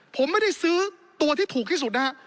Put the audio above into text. ผมไม่ได้ซื้อตัวที่ถูกที่สุดนะฮะ